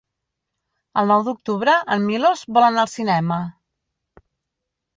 El nou d'octubre en Milos vol anar al cinema.